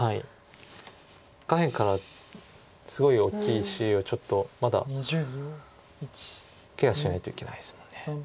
下辺からすごい大きい石をちょっとまだケアしないといけないですもんね。